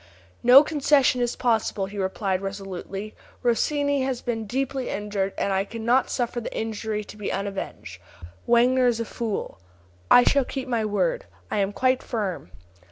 "No concession is possible," he replied, resolutely. "Rossini has been deeply injured, and I cannot suffer the injury to be unavenged. Wagner is a fool. I shall keep my word. I am quite firm."